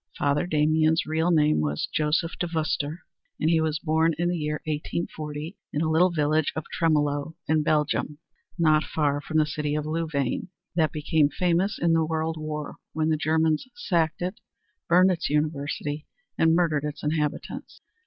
Father Damien's real name was Joseph de Veuster, and he was born in the year 1840, in the little village of Tremeloo in Belgium, not far from the city of Louvain that became famous in the World War when the Germans sacked it, burned its university and murdered its inhabitants.